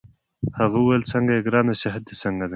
هغه وویل: څنګه يې ګرانه؟ صحت دي څنګه دی؟